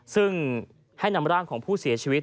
ซึ่งให้นำร่างของผู้เสียชีวิต